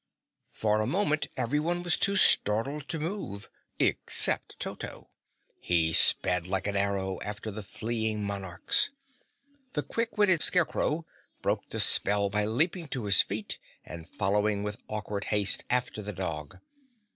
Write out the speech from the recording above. For a moment everyone was too startled to move except Toto. He sped like an arrow after the fleeing monarchs. The quick witted Scarecrow broke the spell by leaping to his feet and following with awkward haste after the dog.